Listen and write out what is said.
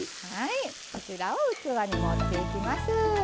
こちらを器に盛っていきます。